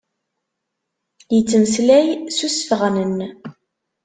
Yettmeslay s usfeɣnen.